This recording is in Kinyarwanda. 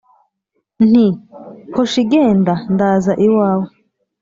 nti : hoshi genda ndaza iwawe